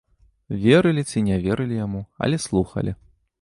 Верылі ці не верылі яму, але слухалі.